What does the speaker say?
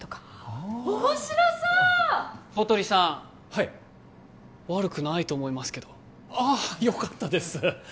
はい悪くないと思いますけどああよかったです